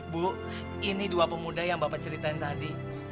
bu ini dua pemuda yang bapak ceritain tadi